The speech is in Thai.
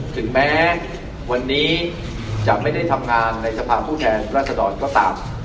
ถึงแม้วันนี้จะไม่ได้ทำงานในสภาพผู้แทนรัศดรก็ตาม